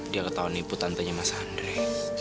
dia ketahuan nipu tantanya mas andre